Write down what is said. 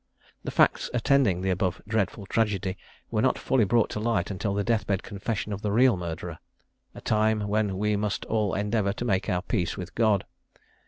The facts attending the above dreadful tragedy were not fully brought to light until the death bed confession of the real murderer; a time when we must all endeavour to make our peace with God.